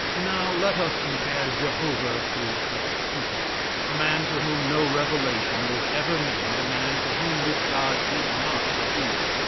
Now let us compare Jehovah to Epictetus a man to whom no revelation was ever made a man to whom this God did not appear.